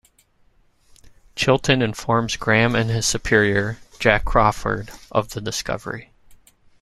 Chilton informs Graham and his superior, Jack Crawford, of the discovery.